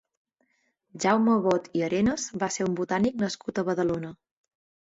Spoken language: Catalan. Jaume Bot i Arenas va ser un botànic nascut a Badalona.